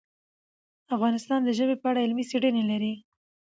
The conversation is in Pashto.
افغانستان د ژبې په اړه علمي څېړنې لري.